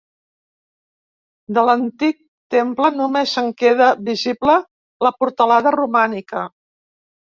De l'antic temple només en queda visible la portalada romànica.